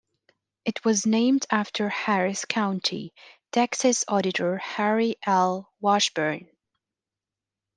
It was named after Harris County, Texas Auditor Harry L. Washburn.